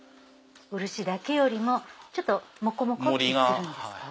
漆だけよりもちょっとモコモコっとするんですか？